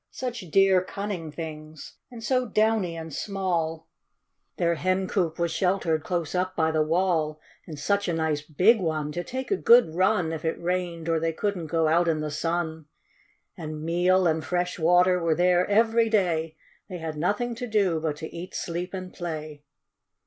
Such dear, cunning things, and so downy and small ; Their hen coop was sheltered close up by the wall, And such a nice big one to take a good run, If it rained, or they couldn't go out in the sun ; And meal, and fresh water were there every day ; They had nothing to do but to eat, sleep, and play.